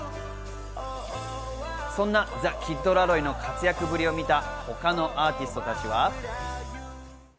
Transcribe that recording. そんなザ・キッド・ラロイの活躍ぶりを見た、他のアーティストたちは。